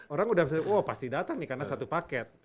orang udah oh pasti datang nih karena satu paket